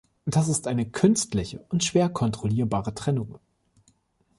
Das ist eine künstliche und schwer kontrollierbare Trennung.